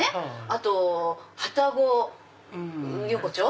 あと旅籠横丁。